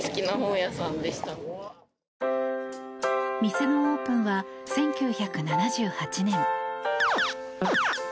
店のオープンは１９７８年。